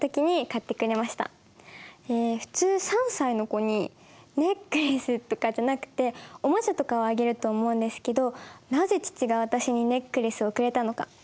普通３歳の子にネックレスとかじゃなくておもちゃとかをあげると思うんですけどなぜ父が私にネックレスをくれたのか？